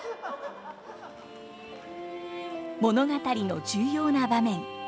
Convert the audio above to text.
物語の重要な場面